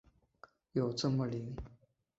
有这么灵？